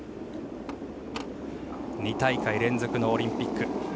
２大会連続のオリンピック。